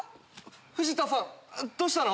フジタさんどうしたの？